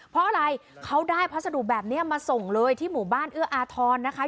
เพราะอะไรเขาได้พัสดุแบบนี้มาส่งเลยที่หมู่บ้านเอื้ออาทรนะคะ